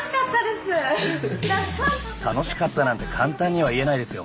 楽しかったなんて簡単には言えないですよ。